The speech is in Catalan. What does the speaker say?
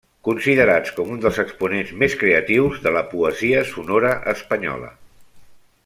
Considerats com un dels exponents més creatius de la poesia sonora espanyola.